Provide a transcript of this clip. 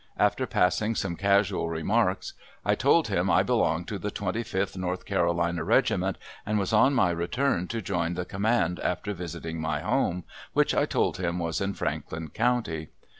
After passing some casual remarks I told him I belonged to the 25th North Carolina Regiment, and was on my return to rejoin the command after visiting my home, which I told him was in Franklin County.